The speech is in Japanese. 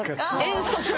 遠足。